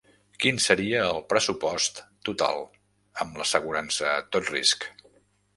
Quin seria el pressupost total, amb assegurança a tot risc?